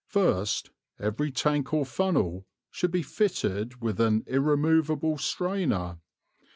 First, every tank or funnel should be fitted with an irremovable strainer.